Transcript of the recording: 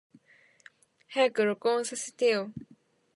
早く録音させてよ。